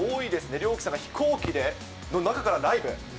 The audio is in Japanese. リョウキさんが飛行機で、中からライブ。